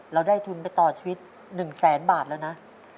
ได้ทุนไปต่อชีวิต๑แสนบาทแล้วนะ